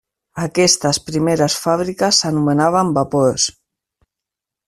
Aquestes primeres fàbriques s'anomenaven Vapors.